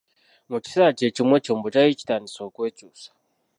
Mu kiseera kye kimu ekyombo kyali kitandise okwekyusa.